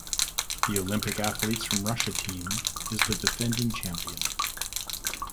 The Olympic Athletes from Russia team is the defending champion.